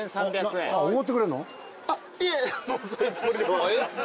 いえそういうつもりでは。